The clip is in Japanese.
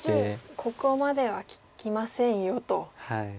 ここまでは利きませんよと。